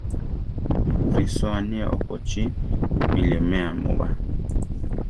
Risóa aní okochí! miʼlimea mu ba!